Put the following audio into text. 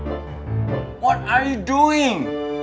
apaan lu udah lakuin